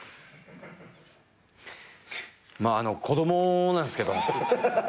あの子供なんですけど。